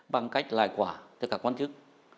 bằng cách lại quả cho các quan chức